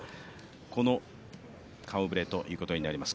この顔ぶれということになります。